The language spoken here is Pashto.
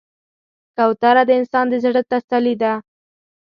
کوتره د انسان د زړه تسلي ده.